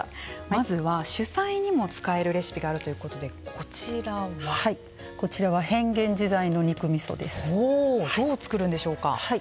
まずは主菜にも使えるレシピがあるということでこちらはどう作るんでしょうか。